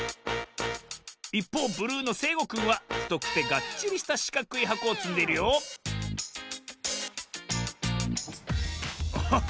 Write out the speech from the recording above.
いっぽうブルーのせいごくんはふとくてがっちりしたしかくいはこをつんでいるよおっ！